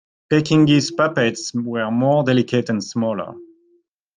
Pekingese puppets were more delicate and smaller.